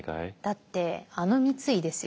だってあの三井ですよ。